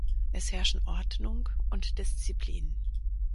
Es herrschen Ordnung und Disziplin.